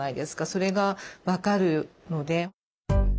それが分かるので。